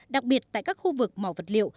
đặc biệt tại các khu vực mỏ vật liệu